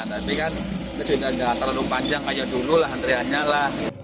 tapi kan itu sudah tidak terlalu panjang kayak dulu lah adria nyala